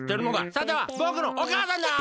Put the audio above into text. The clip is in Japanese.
さてはぼくのおかあさんだな！